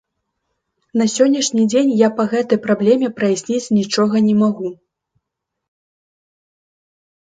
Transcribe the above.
На сённяшні дзень я па гэтай праблеме праясніць нічога не магу.